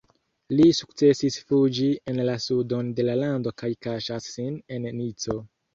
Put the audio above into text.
Li sukcesis fuĝi en la sudon de la lando kaj kaŝas sin en Nico.